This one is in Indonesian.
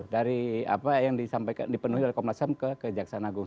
dari apa yang disampaikan dipenuhi oleh komnas ham ke kejaksaan agung